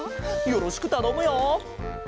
よろしくたのむよ。